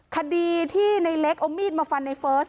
คดีที่ในเล็กเอามีดมาฟันในเฟิร์ส